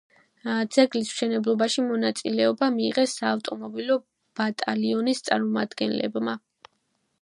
ძეგლის მშენებლობაში მონაწილეობა მიიღეს საავტომობილო ბატალიონის წარმომადგენლებმა.